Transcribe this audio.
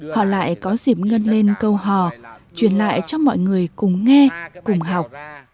họ lại có dịp ngân lên câu hò truyền lại cho mọi người cùng nghe cùng học